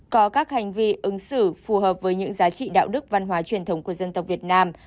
có các hành vi ứng xử phù hợp với những giá trị đạo đức văn hóa truyền thống của dân tộc việt nam